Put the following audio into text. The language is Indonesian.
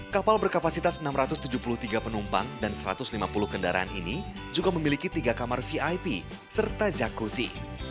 kapal berkapasitas enam ratus tujuh puluh tiga penumpang dan satu ratus lima puluh kendaraan ini juga memiliki tiga kamar vip serta jacusi